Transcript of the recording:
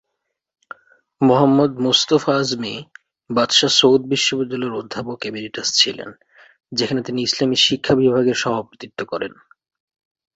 মুহাম্মদ মুস্তফা আজমি বাদশাহ সৌদ বিশ্ববিদ্যালয়ের অধ্যাপক এমেরিটাস ছিলেন, যেখানে তিনি ইসলামি শিক্ষা বিভাগের সভাপতিত্ব করেন।